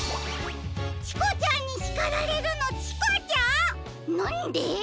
「チコちゃんに叱られる！」のチコちゃん⁉なんで？